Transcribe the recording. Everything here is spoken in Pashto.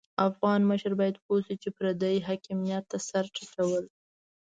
افغان مشر بايد پوه شي چې پردي حاکميت ته سر ټيټول.